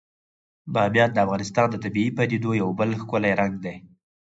بامیان د افغانستان د طبیعي پدیدو یو بل ښکلی رنګ دی.